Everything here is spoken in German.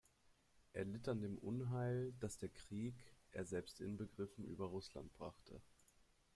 Er litt an dem Unheil, das der Krieg, er selbst inbegriffen, über Russland brachte.